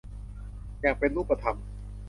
อย่างเป็นรูปธรรม